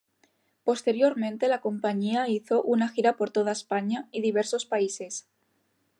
Posteriormente la compañía hizo una gira por toda España y diversos países.